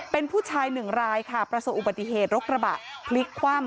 เป็นผู้ชายหนึ่งรายค่ะประสบอุบัติเหตุรถกระบะพลิกคว่ำ